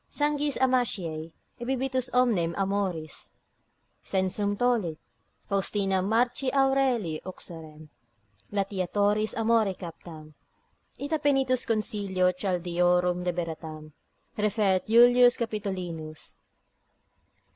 Sanguis amasiae, ebibitus omnem amoris sensum tollit: Faustinam Marci Aurelii uxorem, gladiatoris amore captam, ita penitus consilio Chaldaeorum liberatam, refert Julius Capitolinus.